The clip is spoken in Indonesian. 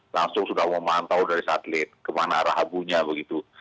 langsung sudah memantau dari satelit kemana arah abunya begitu